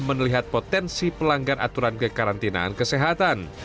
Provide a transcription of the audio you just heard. menelihat potensi pelanggar aturan kekarantinaan kesehatan